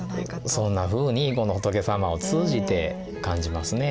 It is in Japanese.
そんなふうにこの仏様を通じて感じますね。